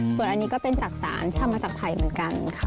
ส่วนอันนี้ก็เป็นจักษานทำมาจากไข่เหมือนกันค่ะ